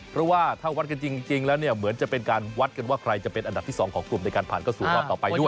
เพราะว่าถ้าวัดกันจริงแล้วเนี่ยเหมือนจะเป็นการวัดกันว่าใครจะเป็นอันดับที่๒ของกลุ่มในการผ่านเข้าสู่รอบต่อไปด้วย